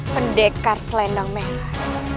pendekar selendang merah